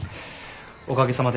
おかげさまで。